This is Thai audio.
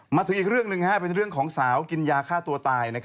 มาถึงอีกเรื่องหนึ่งเป็นเรื่องของสาวกินยาฆ่าตัวตาย